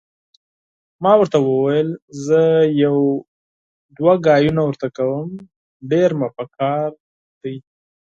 ما ورته وویل: زه یو دوې خبرې ورته کوم، ډېره مې پکار ده.